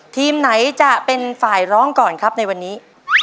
ทีมไหนจะเป็นฝ่ายร้องก่อนครับในวันนี้